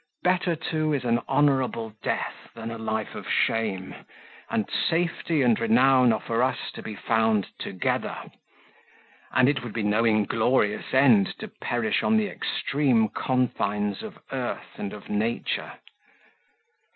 Better, too, is an honourable death than a life of shame, and safety and renown are for us to be found together. And it would be no inglorious end to perish on the extreme confines of earth and of nature.